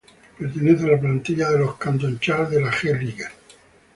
Pertenece a la plantilla de los Canton Charge de la G League.